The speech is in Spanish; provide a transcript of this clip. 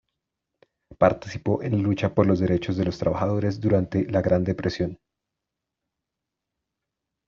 Participó en la lucha por los derechos de los trabajadores durante la Gran Depresión.